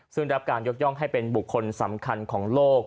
ซึ่งรับการยกย่องให้เป็นบุคคลสำคัญของโลก